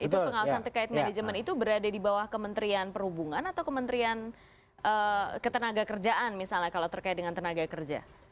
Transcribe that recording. itu pengawasan terkait manajemen itu berada di bawah kementerian perhubungan atau kementerian ketenaga kerjaan misalnya kalau terkait dengan tenaga kerja